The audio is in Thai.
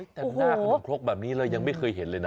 เออแต่หน้าขนมโคปแบบนี้หละยังไม่เคยเห็นเลยนะ